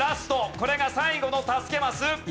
これが最後の助けマス。